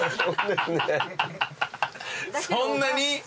そんなに？